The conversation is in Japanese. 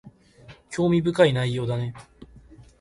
興味深い内容だね